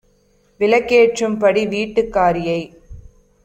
விளக்கேற் றும்படி வீட்டுக் காரியை